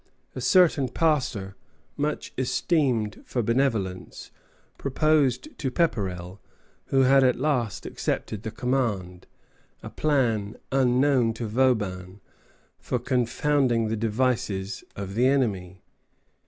A certain pastor, much esteemed for benevolence, proposed to Pepperrell, who had at last accepted the command, a plan, unknown to Vauban, for confounding the devices of the enemy.